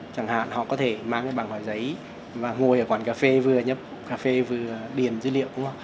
chẳng hạn họ có thể mang cái bảng hỏi giấy và ngồi ở quán cà phê vừa nhập cà phê vừa điền dữ liệu